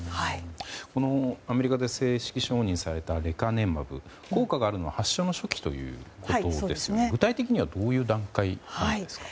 このアメリカで正式承認されたレカネマブ効果があるというのは発症の初期ということですが具体的にはどういう段階なんですか。